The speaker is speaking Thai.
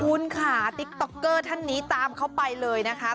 คุณค่ะติ๊กต๊อกเกอร์ท่านนี้ตามเขาไปเลยนะคะ